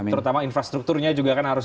terutama infrastrukturnya juga harus